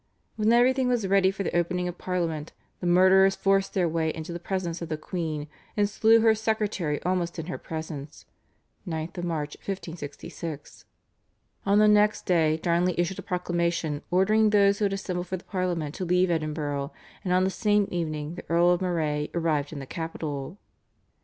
When everything was ready for the opening of Parliament the murderers forced their way into the presence of the queen, and slew her secretary almost in her presence (9 March 1566). On the next day Darnley issued a proclamation ordering those who had assembled for the Parliament to leave Edinburgh, and on the same evening the Earl of Moray arrived in the capital.